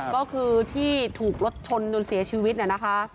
ก็คือที่ถูกรถชนจนเสียชีวิตเนี่ยนะคะ